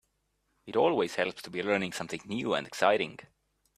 It always helps to be learning something new and exciting.